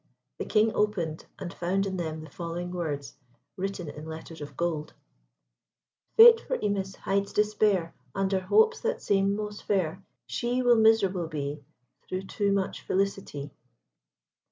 The King opened and found in them the following words, written in letters of gold: Fate for Imis hides despair Under hopes that seem most fair; She will miserable be, Through too much felicity.